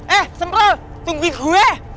eh sempril tungguin gue